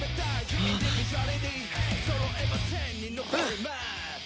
うん！